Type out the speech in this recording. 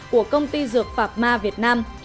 của công ty dược phạp ma việt nam